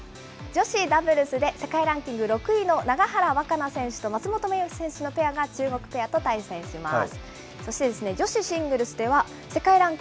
女子ダブルスで世界ランキング６位の永原和可那選手と松本選手のペアが中国ペアと対戦します。